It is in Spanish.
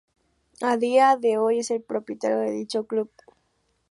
A día de hoy es el propietario de dicho club.